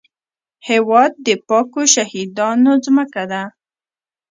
هېواد د پاکو شهیدانو ځمکه ده